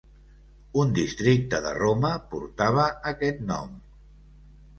Un districte de Roma portava aquest nom.